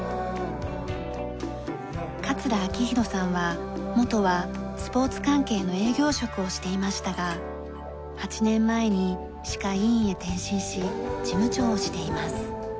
桂明弘さんは元はスポーツ関係の営業職をしていましたが８年前に歯科医院へ転身し事務長をしています。